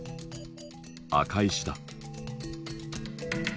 赤石だ。